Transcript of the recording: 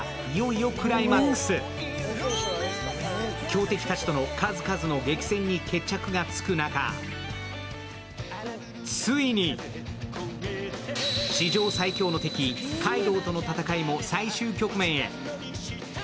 強敵たちとの数々の激戦に決着がつく中ついに史上最強の敵、カイドウとの戦いも最終局面へ。